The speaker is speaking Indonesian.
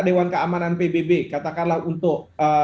dewan keamanan pbb katakanlah untuk